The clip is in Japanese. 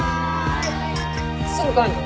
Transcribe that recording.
すぐ帰んの？